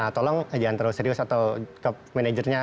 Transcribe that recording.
tolong jangan terlalu serius atau ke manajernya